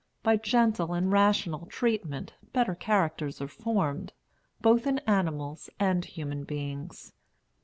By gentle and rational treatment better characters are formed, both in animals and human beings.